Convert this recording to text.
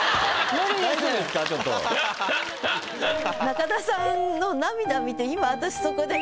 中田さんの涙見て今私そこで。